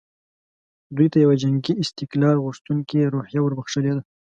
دوی ته یوه جنګي استقلال غوښتونکې روحیه وربخښلې ده.